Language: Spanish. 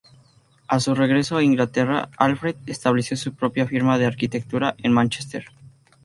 A su regreso a Inglaterra, Alfred estableció su propia firma de arquitectura en Mánchester.